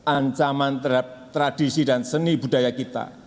ancaman terhadap tradisi dan seni budaya kita